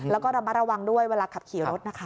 แล้วก็ระมัดระวังด้วยเวลาขับขี่รถนะคะ